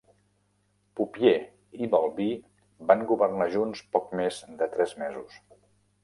Pupiè i Balbí van governar junts poc més de tres mesos.